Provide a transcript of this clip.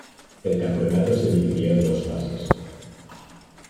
El Campeonato se dividió en dos fases.